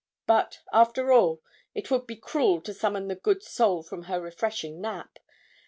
But, after all, it would be cruel to summon the good soul from her refreshing nap.